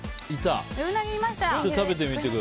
ウナギいました！